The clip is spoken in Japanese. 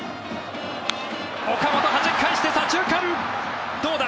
岡本、はじき返して左中間どうだ？